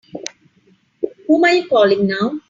Whom are you calling now?